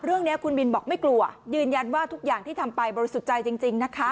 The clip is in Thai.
เรื่องนี้คุณบินบอกไม่กลัวยืนยันว่าทุกอย่างที่ทำไปบริสุทธิ์ใจจริงนะคะ